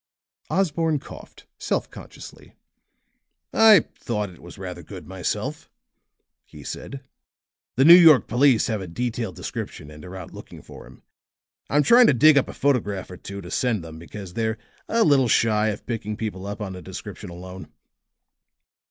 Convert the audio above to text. Osborne coughed self consciously. "I thought it was rather good myself," he said. "The New York police have a detailed description and are looking out for him. I'm trying to dig up a photograph or two to send them, because they're a little shy of picking people up on a description alone."